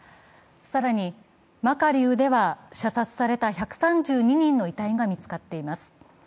更にマカリウでは射殺された１３２人の遺体が見つかっています。